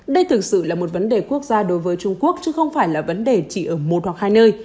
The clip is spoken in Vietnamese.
đây thực sự là một vấn đề quốc gia đối với trung quốc chứ không phải là vấn đề chỉ ở một hoặc hai nơi